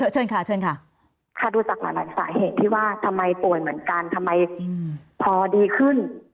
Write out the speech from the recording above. สาเหตุที่ว่าทำไมป่วยเหมือนกันทำไมพอดีขึ้น